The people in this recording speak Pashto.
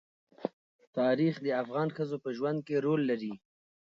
تاریخ د افغان ښځو په ژوند کې رول لري.